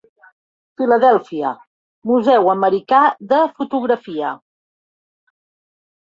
Filadèlfia: Museu Americà de Fotografia.